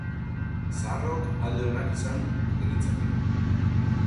Zaharrok alde onak izan genitzake.